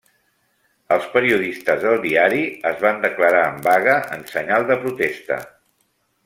Els periodistes del diari es van declarar en vaga en senyal de protesta.